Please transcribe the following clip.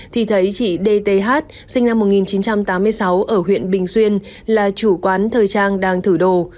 thì thấy chị dth sinh năm một nghìn chín trăm tám mươi sáu ở huyện bình xuyên là chủ quán thời trang đang thử đồ